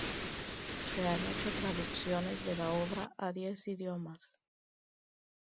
Se han hecho traducciones de la obra a diez idiomas.